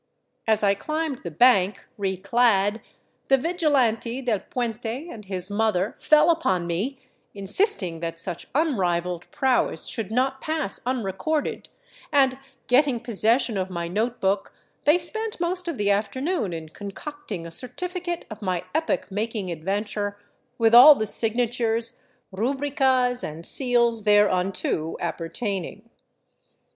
As I climbed the bank, reclad, the vigilante del puente and his mother fell upon me, insisting that such unrivalled prowess should not pass unrecorded, and getting possession of my note book, they spent most of the afternoon in concocting a certificate of my epoch making adven ture, with all the signatures, rubricas, and seals thereunto appertaining.